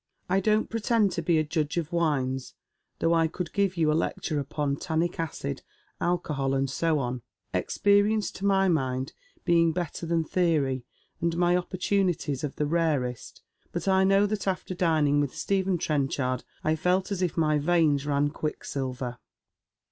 I don't pretend to be a judge of wines, though I could give you a lecture upon tannic acid, alcohol, and so on — experience, to my mind, being better than theory, and my >pportunitie8 of the rarest — but I know that after dining with Stephen Trenchard I felt as if my veins ran quicksilver.